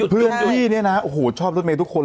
เพื่อนที่นี้นะชอบรถเมจทุกคน